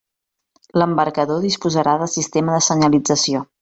L'embarcador disposarà de sistema de senyalització.